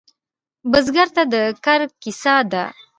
بزګر ته د کر کیسه ده